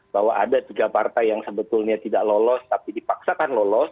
bahwa ada tiga partai yang sebetulnya tidak lolos tapi dipaksakan lolos